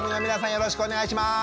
よろしくお願いします。